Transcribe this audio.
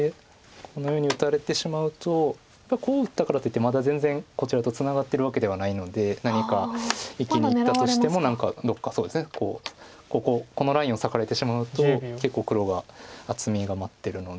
このように打たれてしまうとやっぱりこう打ったからといってまだ全然こちらとツナがってるわけではないので何か生きにいったとしてもどっかこうこのラインを裂かれてしまうと結構黒が厚みが待ってるので。